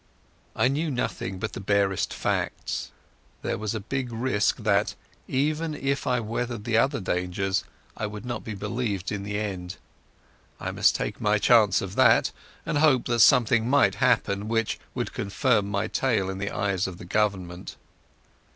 I knew nothing but the barest facts. There was a big risk that, even if I weathered the other dangers, I would not be believed in the end. I must take my chance of that, and hope that something might happen which would confirm my tale in the eyes of the Government.